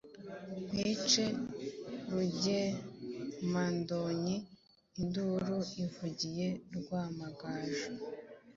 Nkwice Rugemandonyi induru ivugiye Rwamagaju,